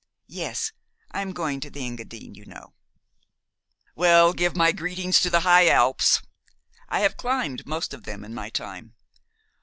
Yes, I am going to the Engadine, you know." "Well, give my greetings to the high Alps. I have climbed most of them in my time.